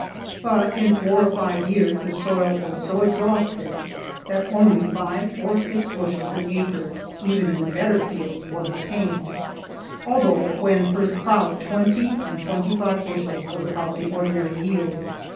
But in four or five years the soil was so exhausted that only five or six bushels an acre, even in the better fields, was obtained, although when first ploughed twenty and twenty five bushels was about the ordinary yield.